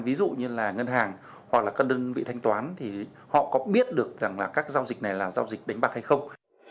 ví dụ như là ngân hàng hoặc là các đơn vị thanh toán thì họ có biết được rằng là các giao dịch này là giao dịch đánh bạc hay không